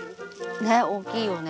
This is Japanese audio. ねえ大きいよね。